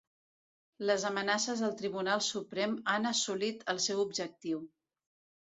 Les amenaces del Tribunal Suprem han assolit el seu objectiu.